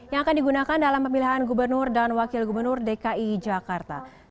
yang akan digunakan dalam pemilihan gubernur dan wakil gubernur dki jakarta